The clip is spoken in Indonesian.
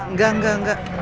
enggak enggak enggak